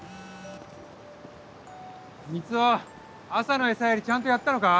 三魚朝の餌やりちゃんとやったのか？